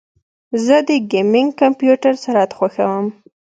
زه د ګیمنګ کمپیوټر سرعت خوښوم.